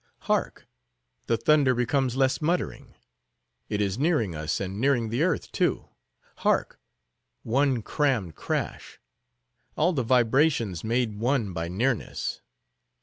"Hark! The thunder becomes less muttering. It is nearing us, and nearing the earth, too. Hark! One crammed crash! All the vibrations made one by nearness.